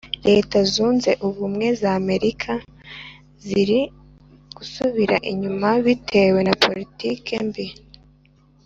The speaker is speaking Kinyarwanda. Leta zunze ubumwe za Amerika ziri gusubira inyuma bitewe na politiki mbi